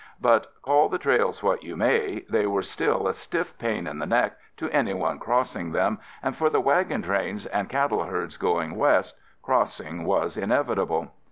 But call the trails what you may, they were still a stiff pain in the neck to anyone crossing them, and for the wagon trains and cattle herds going west, crossing was inevitable.